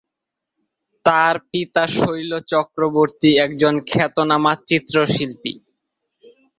তার পিতা শৈল চক্রবর্তী একজন খ্যাতনামা চিত্রশিল্পী।